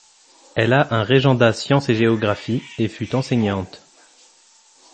Elle a un régendat sciences et géographie et fut enseignante.